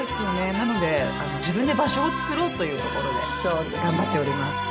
なので自分で場所を作ろうというところで頑張っております。